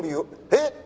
えっ！？